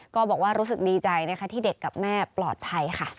ก็บอกว่ารู้สึกดีใจนะคะที่เด็กกับแม่ปลอดภัยค่ะ